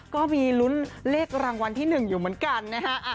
ก็มีลุ้นเลขรางวัลที่๑อยู่เหมือนกันนะฮะ